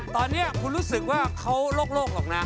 ตอนนี้คุณรู้สึกว่าเขาโลกหรอกนะ